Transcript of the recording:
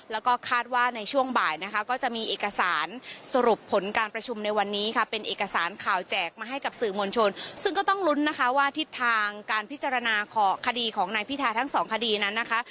แล้วก็คาดว่าในช่วงบ่ายนะคะก็จะมีเอกสารสรุปผลการประชุมในวันนี้ค่ะเป็นเอกสารข่าวแจกมาให้กับสื่อมวลชนซึ่งก็ต้องลุ้นนะคะว่าทิศทางการพิจารณาของคดีของนายพิทาทั้งสองคดีนั้นนะคะ